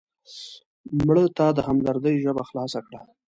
مړه ته د همدردۍ ژبه خلاصه کړه